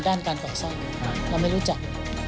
ด้านการปล่อยไส้เราไม่รู้จัก